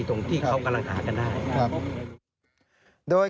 ตรงที่เขากำลังหากันได้ครับ